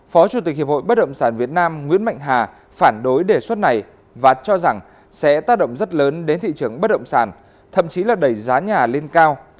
phó chủ tịch hiệp hội bất động sản việt nam nguyễn mạnh hà phản đối đề xuất này và cho rằng sẽ tác động rất lớn đến thị trường bất động sản thậm chí là đẩy giá nhà lên cao